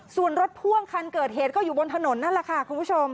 ส่วนรถพ่วงคันเกิดเหตุก็อยู่บนถนนนั่นแหละค่ะคุณผู้ชม